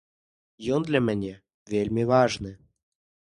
Ён для мяне вельмі важны.